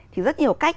thì rất nhiều cách